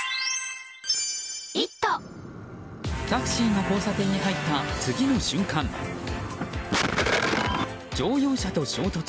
タクシーが交差点に入った次の瞬間乗用車と衝突。